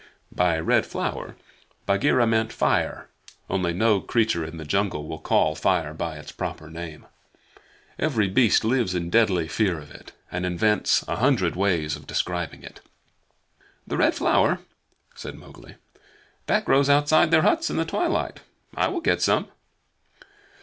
By Red Flower Bagheera meant fire, only no creature in the jungle will call fire by its proper name. Every beast lives in deadly fear of it, and invents a hundred ways of describing it. "The Red Flower?" said Mowgli. "That grows outside their huts in the twilight. I will get some."